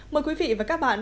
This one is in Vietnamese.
mời quý vị và các bạn